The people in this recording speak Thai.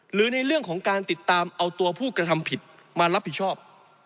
หรือในเรื่องของการติดตามเอาตัวผู้กระทำผิดมารับผิดชอบ